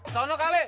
tunggu kak aling